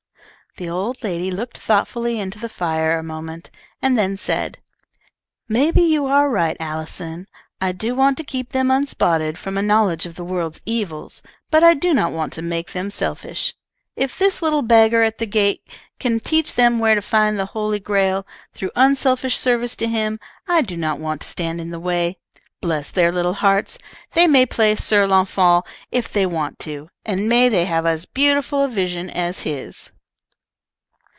The old lady looked thoughtfully into the fire a moment, and then said, "Maybe you are right, Allison. I do want to keep them unspotted from a knowledge of the world's evils, but I do not want to make them selfish. If this little beggar at the gate can teach them where to find the Holy Grail, through unselfish service to him, I do not want to stand in the way. Bless their little hearts, they may play Sir Launfal if they want to, and may they have as beautiful a vision as his!"